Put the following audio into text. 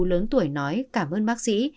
lớn tuổi nói cảm ơn bác sĩ